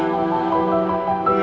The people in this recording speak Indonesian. mama gak tau